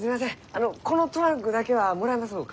あのこのトランクだけはもらえますろうか？